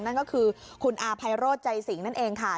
นั่นก็คือคุณอาภัยโรธใจสิงนั่นเองค่ะ